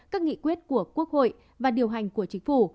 các nghị quyết của quốc hội và điều hành của chính phủ